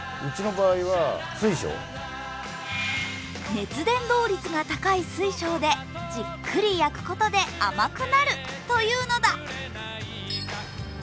熱伝導率が高い水晶でじっくり焼くことで甘くなるというのだ。